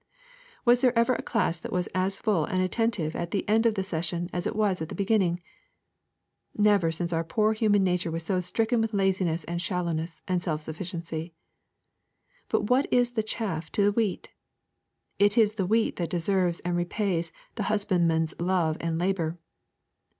Was there ever a class that was as full and attentive at the end of the session as it was at the beginning? Never since our poor human nature was so stricken with laziness and shallowness and self sufficiency. But what is the chaff to the wheat? It is the wheat that deserves and repays the husbandman's love and labour.